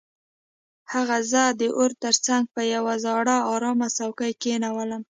هغه زه د اور تر څنګ په یو زاړه ارامه څوکۍ کښینولم